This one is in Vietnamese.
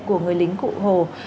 của người lính cụ hồ